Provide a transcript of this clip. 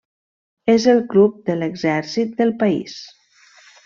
És el club de l'exèrcit del país.